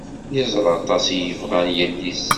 Yeẓra aṭas i yebɣan yelli-s.